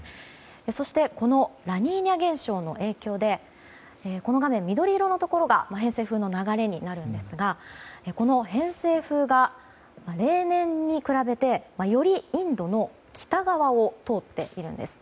そしてこのラニーニャ現象の影響でこの画面緑色のところが偏西風の流れになるんですがこの偏西風が例年に比べてよりインドの北側を通っているんです。